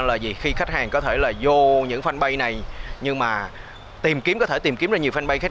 lời gì khi khách hàng có thể là vô những fanpage này nhưng mà có thể tìm kiếm ra nhiều fanpage khác